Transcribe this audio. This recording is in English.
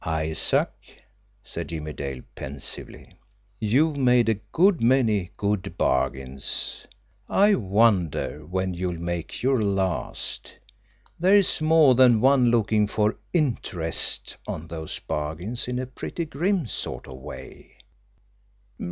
"Isaac," said Jimmie Dale pensively, "you've made a good many 'good' bargains. I wonder when you'll make your last! There's more than one looking for 'interest' on those bargains in a pretty grim sort of way."